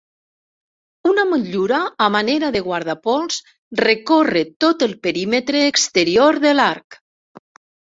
Una motllura a manera de guardapols recórrer tot el perímetre exterior de l'arc.